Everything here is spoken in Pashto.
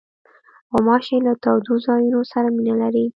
غوماشې له تودو ځایونو سره مینه لري.